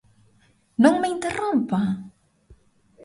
¡Non me interrompa!